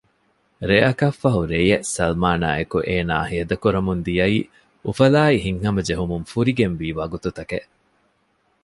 ރެއަކަށްފަހު ރެޔެއް ސަލްމާނާއެކު އޭނާ ހޭދަކުރަމުން ދިޔައީ އުފަލާއި ހިތްހަމަޖެހުމުން ފުރިގެންވީ ވަގުތުތަކެއް